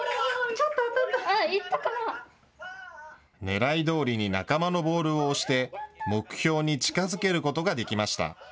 狙いどおりに仲間のボールを押して目標に近づけることができました。